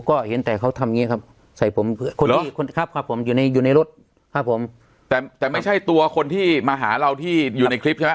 ก็เห็นแต่เขาทำอย่างนี้ครับใส่ผมคนที่คนครับครับผมอยู่ในอยู่ในรถครับผมแต่แต่ไม่ใช่ตัวคนที่มาหาเราที่อยู่ในคลิปใช่ไหม